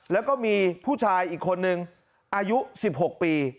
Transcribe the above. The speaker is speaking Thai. แล้วก็มีผู้ชายอีกคนนึงอายุ๑๖ปี